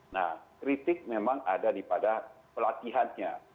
nah kritik memang ada di pada pelatihannya